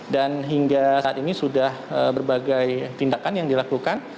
dan hingga saat ini sudah berbagai tindakan yang dilakukan